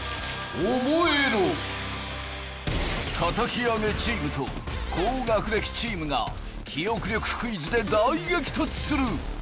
叩き上げチームと高学歴チームが記憶力クイズで大激突する！